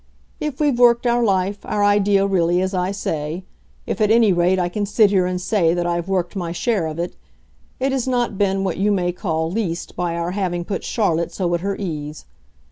If we've worked our life, our idea really, as I say if at any rate I can sit here and say that I've worked my share of it it has not been what you may call least by our having put Charlotte so at her ease.